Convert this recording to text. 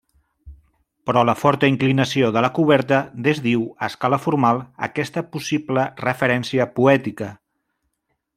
Però la forta inclinació de la coberta desdiu a escala formal aquesta possible referència poètica.